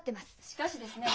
しかしですね。